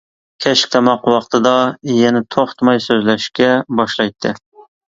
كەچلىك تاماق ۋاقتىدا يەنە توختىماي سۆزلەشكە باشلايتتى.